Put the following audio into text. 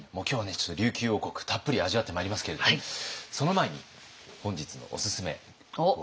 ちょっと琉球王国たっぷり味わってまいりますけれどもその前に本日のおすすめご用意いたしました。